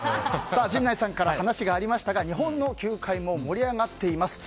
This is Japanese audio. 陣内さんから話がありましたが日本の球界も盛り上がっています。